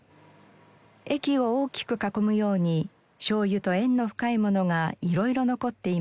駅を大きく囲むように醤油と縁の深いものが色々残っています。